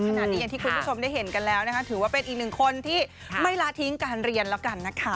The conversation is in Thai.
อย่างที่คุณผู้ชมได้เห็นกันแล้วนะคะถือว่าเป็นอีกหนึ่งคนที่ไม่ละทิ้งการเรียนแล้วกันนะคะ